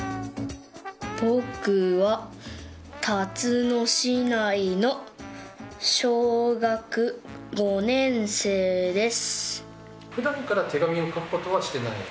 僕はたつの市内の小学４年生です。